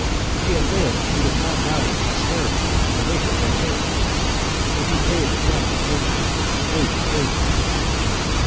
If he had lived, he would have gone down to posterity in the wake of Voltaire, but he paid the debt of nature at the age of thirty.